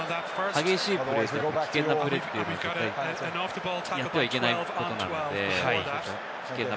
激しいプレー、危険なプレーというので、やってはいけないことなので。